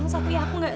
satria aku bingung